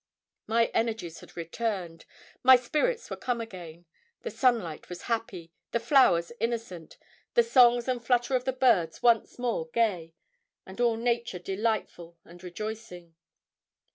My energies had returned, my spirits were come again. The sunlight was happy, the flowers innocent, the songs and flutter of the birds once more gay, and all nature delightful and rejoicing.